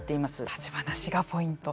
立ち話がポイント。